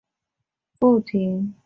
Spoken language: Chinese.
不停从她脸颊滑落